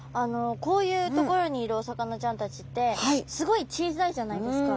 こういう所にいるお魚ちゃんたちってすごい小さいじゃないですか。